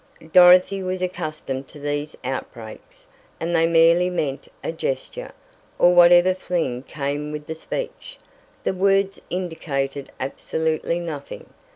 Dorothy was accustomed to these outbreaks, and they merely meant a gesture, or whatever fling came with the speech; the words indicated absolutely nothing.